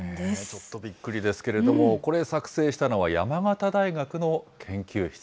ちょっとびっくりですけれども、これ、作製したのは山形大学の研究室。